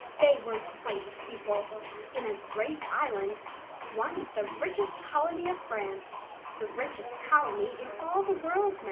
They were great people in a great island, once the richest colony of France, the richest colony in all the world.